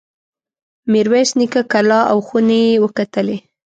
میرویس نیکه کلا او خونې وکتلې.